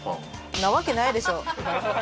んなわけないでしょ。